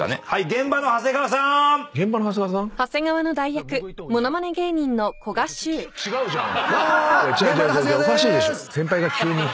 現場の長谷川さん！